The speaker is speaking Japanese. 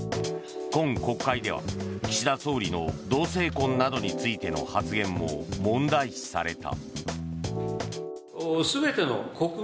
今国会では、岸田総理の同性婚などについての発言も問題視された。